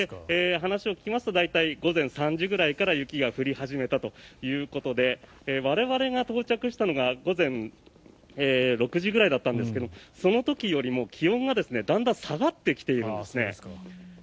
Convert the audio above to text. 話を聞きますと大体午前３時ぐらいから雪が降り始めたということで我々が到着したのが午前６時ぐらいだったんですがその時よりも気温が、だんだん下がってきているんですね。